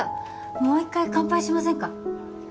もう一回乾杯しませんか？